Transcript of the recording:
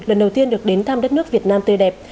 lần đầu tiên được đến thăm đất nước việt nam tươi đẹp